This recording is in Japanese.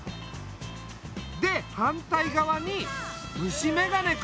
で反対側に虫眼鏡か。